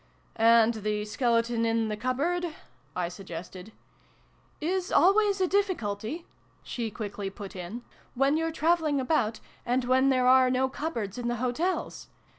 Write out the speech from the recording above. " And the skeleton in the cupboard " I suggested. " is always a difficulty," she quickly put in, " when you're traveling about, and when there are no cupboards in the hotels.